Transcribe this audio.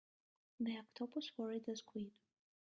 The octopus worried the squid.